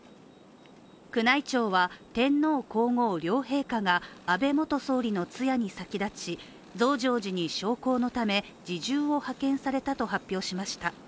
宮内庁は、天皇・皇后両陛下が安倍元総理の通夜に先立ち、増上寺に焼香のため、侍従を派遣されたと発表しました。